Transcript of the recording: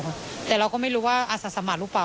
ส่วนรถที่นายสอนชัยขับอยู่ระหว่างการรอให้ตำรวจสอบ